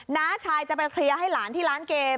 น้าชายจะไปเคลียร์ให้หลานที่ร้านเกม